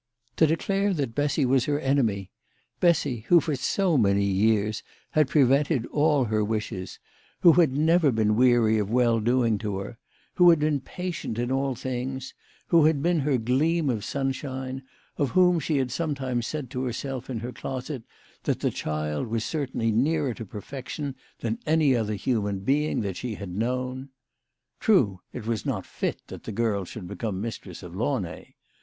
To declare that Bessy was her enemy Bessy, who for so many years had prevented all her wishes, who had never been weary of well doing to her, who had been patient in all things, who had been her gleam of sun shine, of whom she had sometimes said to herself in her closet that the child was certainly nearer to perfec tion than any other human being that she had known ! True, it was not fit that the girl should become mistress of Launay